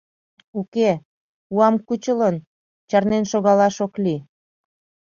Уке, уам кучылын, чарнен шогалаш ок лий.